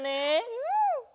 うん！